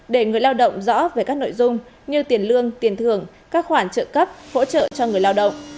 để người lao động rõ về các nội dung như tiền lương tiền thưởng các khoản trợ cấp hỗ trợ cho người lao động